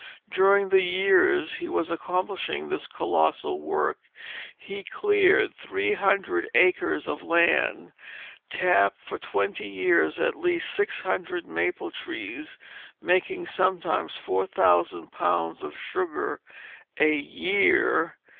During the years he was accomplishing this colossal work he cleared three hundred acres of land, tapped for twenty years at least six hundred maple trees, making sometimes four thousand pounds of sugar a year.